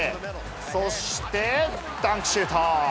そして、ダンクシュート。